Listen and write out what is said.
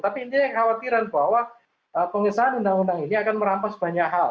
tapi ini kekhawatiran bahwa pengesahan undang undang ini akan merampas banyak hal